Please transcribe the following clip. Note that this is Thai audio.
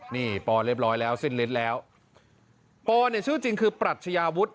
นี่ปอเรียบร้อยแล้วสิ้นฤทธิ์แล้วปอเนี่ยชื่อจริงคือปรัชญาวุฒิ